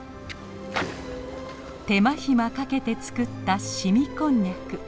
手間暇かけて作った凍みこんにゃく。